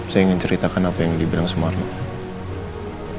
saya ingin ceritakan apa yang dibilang smart